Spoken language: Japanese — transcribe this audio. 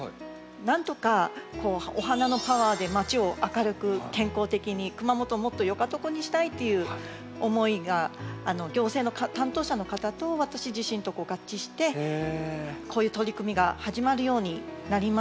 なんとかお花のパワーでまちを明るく健康的に熊本をもっとよかとこにしたいっていう思いが行政の担当者の方と私自身と合致してこういう取り組みが始まるようになりました。